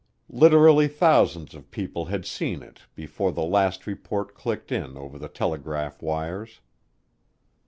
Literally thousands of people had seen it before the last report clicked in over the telegraph wires.